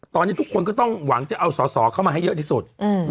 ตอนนี้ทุกคนก็ต้องหวังจะเอาสอสอเข้ามาให้เยอะที่สุด